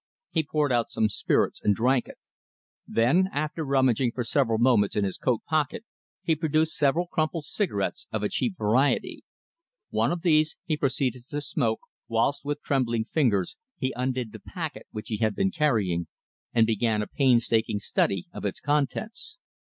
He poured out some spirits and drank it. Then, after rummaging for several moments in his coat pocket, he produced several crumpled cigarettes of a cheap variety. One of these he proceeded to smoke, whilst, with trembling fingers, he undid the packet which he had been carrying, and began a painstaking study of its contents.